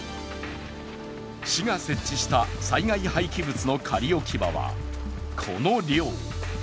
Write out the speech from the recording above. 市が設置した災害廃棄物の仮置き場はこの量。